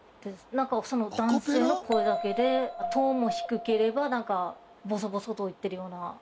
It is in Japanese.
なんか男性の声だけでトーンも低ければなんかボソボソと言ってるような。